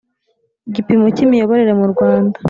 Igipimo cy imiyoborere mu Rwanda